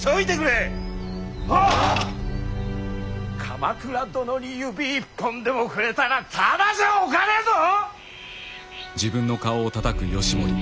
鎌倉殿に指一本でも触れたらただじゃおかねえぞ！